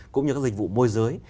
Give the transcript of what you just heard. cũng như các dịch vụ môi giới